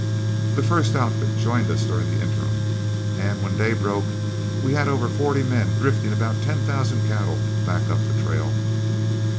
The first outfit joined us during the interim, and when day broke we had over forty men drifting about ten thousand cattle back up the trail.